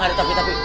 nggak ada tapi tapi